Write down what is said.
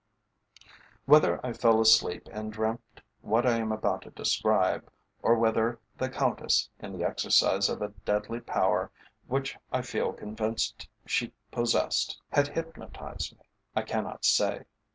Whether I fell asleep and dreamt what I am about to describe, or whether the Countess, in the exercise of a deadly power which I feel convinced she possessed, had hypnotized me, I cannot say.